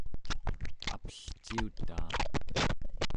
apelciutaa